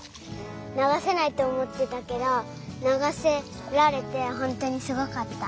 ながせないっておもってたけどながせられてほんとにすごかった。